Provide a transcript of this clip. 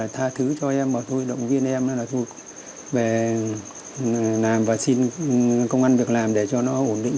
tha thứ cho em bảo tôi động viên em là tôi về làm và xin công an việc làm để cho nó ổn định